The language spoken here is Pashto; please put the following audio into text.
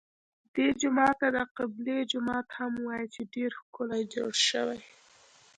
دې جومات ته د قبلې جومات هم وایي چې ډېر ښکلی جوړ شوی.